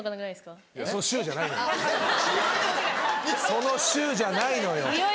その「シュウ」じゃないのよ。